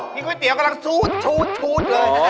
กินก๋วยเตี๋ยวกำลังซูดเลยอ๋อซูด